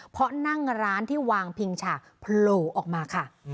เพราะนั่งร้านที่วางพิงฉากโผล่ออกมาค่ะ